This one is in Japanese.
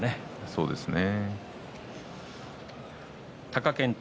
そうですね。